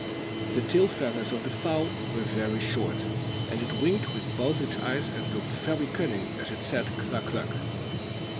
The tail feathers of the fowl were very short, and it winked with both its eyes, and looked very cunning, as it said "Cluck, cluck."